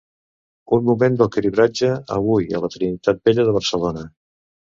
Un moment del cribratge, avui a la Trinitat Vella de Barcelona.